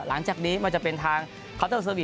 หลังจากนี้มันจะเป็นทางเคาน์เตอร์เซอร์วิท